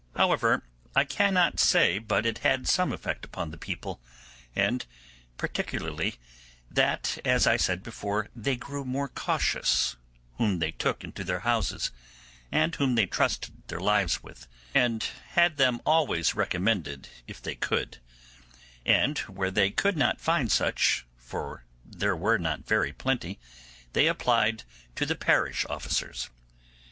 However, I cannot say but it had some effect upon the people, and particularly that, as I said before, they grew more cautious whom they took into their houses, and whom they trusted their lives with, and had them always recommended if they could; and where they could not find such, for they were not very plenty, they applied to the parish officers.